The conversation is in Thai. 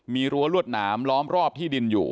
มีรั้วรวดหนามล้อมรอบที่ดินอยู่